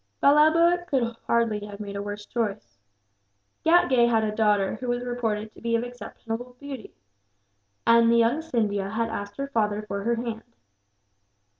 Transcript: Balloba could hardly have made a worse choice. Ghatgay had a daughter who was reported to be of exceptional beauty, and the young Scindia had asked her father for her hand.